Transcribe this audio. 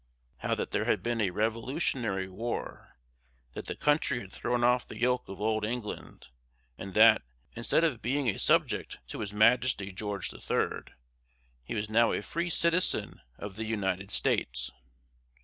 How that there had been a revolutionary war that the country had thrown off the yoke of old England and that, instead of being a subject to his Majesty George the Third, he was now a free citizen of the United States.